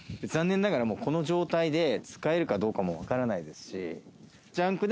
残念ながらもうこの状態で使えるかどうかも分からないですし。